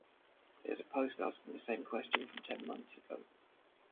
There's a post asking the same question from ten months ago